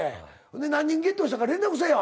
ほんで何人ゲットしたか連絡せえ